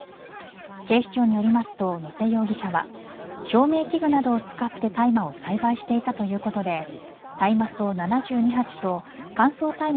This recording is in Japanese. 警視庁によりますと野瀬容疑者は照明器具などを使って大麻を栽培していたということで大麻草７２鉢と乾燥大麻